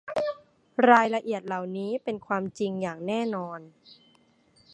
รายละเอียดเหล่านี้เป็นความจริงอย่างแน่นอน